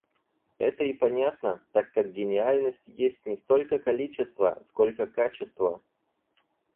Это и понятно, так как гениальность есть не столько количества, сколько КАЧЕСТВО.